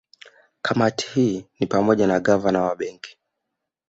Kamati hii ni pamoja na Gavana wa Benki